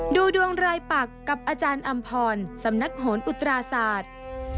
ดูดวงรายปักกับอาจารย์อำพรสำนักโหนอุตราศาสตร์